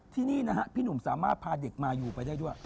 ที่นี่นะฮะพี่หนุ่มสามารถพาเด็กมาอยู่ไปได้ด้วย